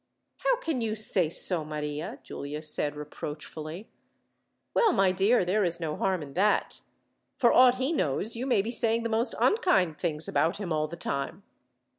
"How can you say so, Maria?" Giulia said reproachfully. "Well, my dear, there is no harm in that. For aught he knows, you may be saying the most unkind things about him, all the time."